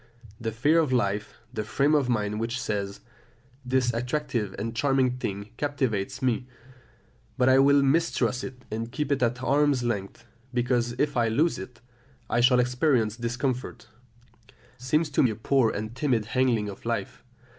The fear of life, the frame of mind which says, "This attractive and charming thing captivates me, but I will mistrust it and keep it at arm's length, because if I lose it, I shall experience discomfort," seems to me a poor and timid handling of life.